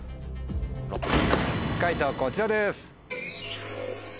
解答はこちらです。